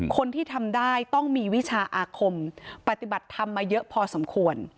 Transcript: คนที่ทำได้ต้องมีวิชาอาคมปฏิบัติธรรมมาเยอะพอสมควร